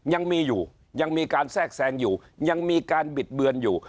ยังมีอยู่ยังมีการแทรกแทรงอยู่ยังมีการบิดเบือนอยู่